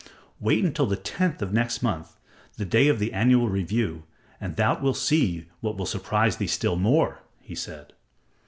"Wait until the tenth of next month, the day of the annual review, and thou wilt see what will surprise thee still more," he said.